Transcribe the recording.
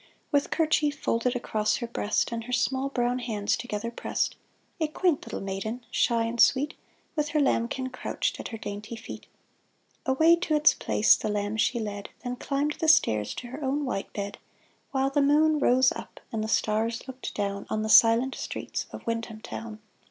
With kerchief folded across her breast, And her small brown hands together pressed, A quaint little maiden, shy and sweet, With her lambkin crouched at her dainty feet. Away to its place the lamb she led. Then climbed the stairs to her own white bed, THE PARSON'S DAUGHTER 347 While the moon rose up and the stars looked down On the silent streets of Windham town.